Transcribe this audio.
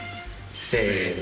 せの。